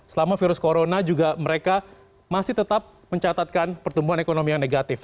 selama virus corona juga mereka masih tetap mencatatkan pertumbuhan ekonomi yang negatif